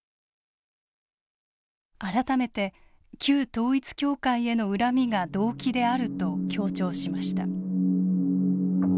改めて「旧統一教会への恨み」が動機であると強調しました。